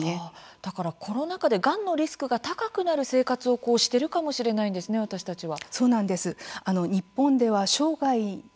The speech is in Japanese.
だからコロナ禍でがんのリスクが高くなる生活をしているかもしれないんですね、私たちは。